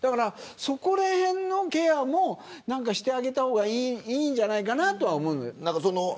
そこらへんのケアもしてあげた方がいいんじゃないかなと思う。